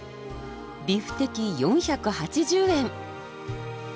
ビフテキ４８０円！